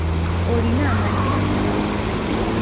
Olina amannya ameka?